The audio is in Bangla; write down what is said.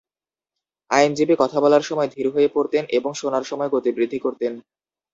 আইনজীবী কথা বলার সময় ধীর হয়ে পড়তেন এবং শোনার সময় গতি বৃদ্ধি করতেন।